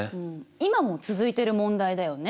今も続いてる問題だよね。